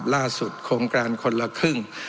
ล่าสุดโครงการคนละครึ่ง